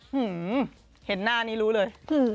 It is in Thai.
เห็นหน้านี้รู้เลย